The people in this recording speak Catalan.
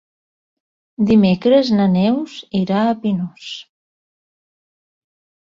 Dimecres na Neus irà a Pinós.